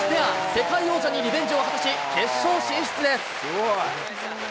世界王者にリベンジを果たし、決勝進出です。